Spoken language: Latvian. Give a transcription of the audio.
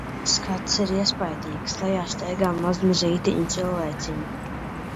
Skats ir iespaidīgs - lejā staigā mazmazītiņi cilvēciņi.